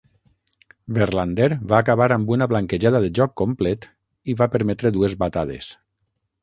Verlander va acabar amb una blanquejada de joc complet i va permetre dues batades.